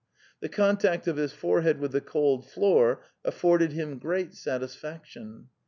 The contact of his forehead with the cold floor afforded him great satisfaction.